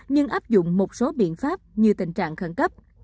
nhưng áp dụng một số biện pháp như tình trạng khẩn cấp